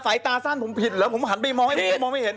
สายตาสั้นผมผิดหรอผมหันไปมองไม่เห็น